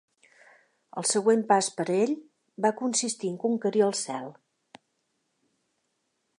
El següent pas per a ell va consistir en conquerir el cel.